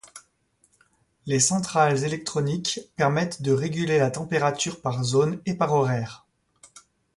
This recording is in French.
Les centrales électroniques permettent de réguler la température par zone et par horaire.